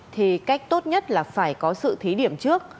thì cách tốt nhất là phải có sự thí điểm trước